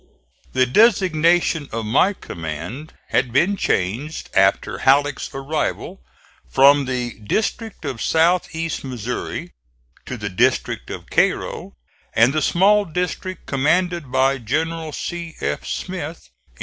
The designation of my command had been changed after Halleck's arrival, from the District of South east Missouri to the District of Cairo, and the small district commanded by General C. F.